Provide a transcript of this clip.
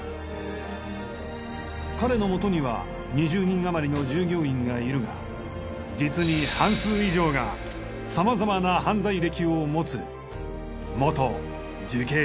彼のもとには２０人余りの従業員がいるが実に半数以上が様々な犯罪歴を持つ元受刑者たちだ。